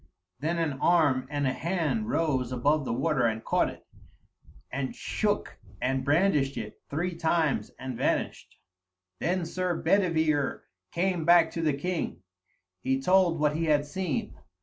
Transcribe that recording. Then an arm and a hand rose above the water and caught it, and shook and brandished it three times and vanished. Then Sir Bedivere came back to the king; he told what he had seen.